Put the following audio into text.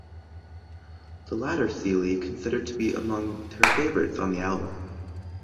The latter Seely considered to be among her favorites on the album.